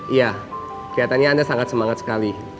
iya kelihatannya anda sangat semangat sekali